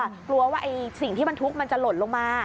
กลัวว่าสิ่งที่บรรทุกมันจะหล่นลงมา